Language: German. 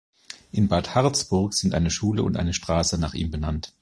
In Bad Harzburg sind eine Schule und eine Straße nach ihm benannt.